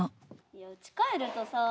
いやうち帰るとさ。